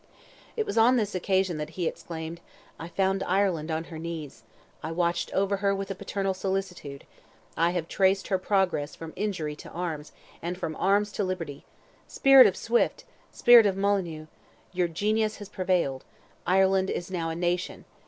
It was on this occasion that he exclaimed: "I found Ireland on her knees; I watched over her with a paternal solicitude; I have traced her progress from injury to arms, and from arms to liberty. Spirit of Swift! Spirit of Molyneux! your genius has prevailed! Ireland is now a nation!